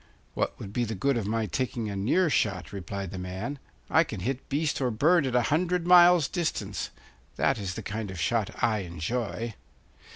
'What would be the good of my taking a near shot?' replied the man; 'I can hit beast or bird at a hundred miles' distance. That is the kind of shot I enjoy.